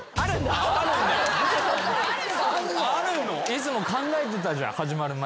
いつも考えてたじゃん始まる前。